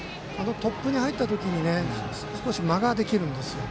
トップに入った時に少し間ができるんですよ。